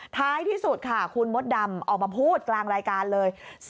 ท้ายที่สุดค่ะคุณมดดำออกมาพูดกลางรายการเลย